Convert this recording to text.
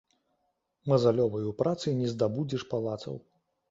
Мазалёваю працай не здабудзеш палацаў